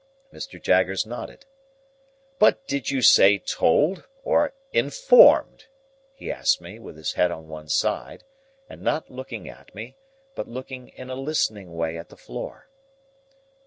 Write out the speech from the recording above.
Mr. Jaggers nodded. "But did you say 'told' or 'informed'?" he asked me, with his head on one side, and not looking at me, but looking in a listening way at the floor.